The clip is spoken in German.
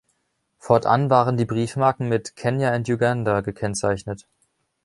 Fortan waren die Briefmarken mit "Kenya and Uganda" gekennzeichnet.